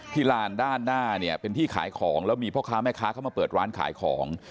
ลานด้านหน้าเนี่ยเป็นที่ขายของแล้วมีพ่อค้าแม่ค้าเข้ามาเปิดร้านขายของ